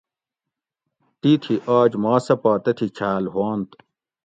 تیتھی آج ما سہ پا تتھی چھاۤل ھوانت